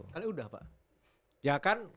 kalian sudah pak ya kan